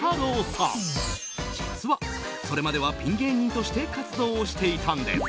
さん実はそれまではピン芸人として活動をしていたんです。